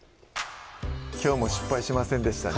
きょうも失敗しませんでしたね